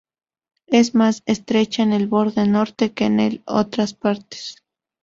Es más estrecha en el borde norte que en otras partes.